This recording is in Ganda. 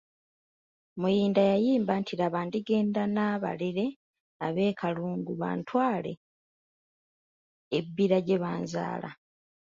Muyinda yayimba nti Laba ndigenda n’abalere ab’Ekalungu bantwaale e Bbira gye banzaala.